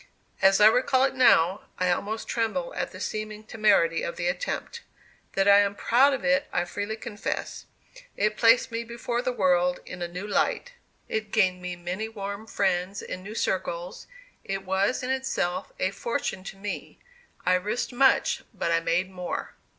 As I recall it now, I almost tremble at the seeming temerity of the attempt. That I am proud of it I freely confess. It placed me before the world in a new light; it gained me many warm friends in new circles; it was in itself a fortune to me I risked much but I made more.